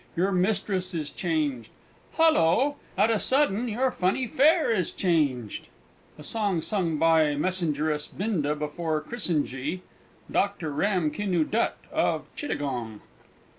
Your mistress is changed! Halloo! at a sudden your funny fair is changed! A song sung by Messengeress Binda before Krishnagee _Dr. Ram Kinoo Dutt (of Chittagong).